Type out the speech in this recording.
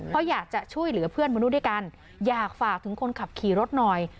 เพราะอยากจะช่วยเหลือเพื่อนมนุษย์ด้วยกันอยากฝากถึงคนขับขี่รถหน่อย